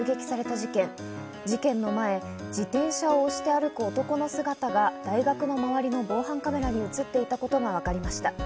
事件の前、自転車を押して歩く男の姿が大学の周りの防犯カメラに映っていたことがわかりました。